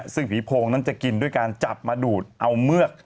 ซึ่งผีโพงนั้นจะกินด้วยการจับมาดูดเอาเมือก